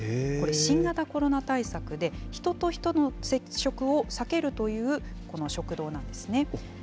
これ、新型コロナ対策で、人と人との接触を避けるという、食堂なんですね。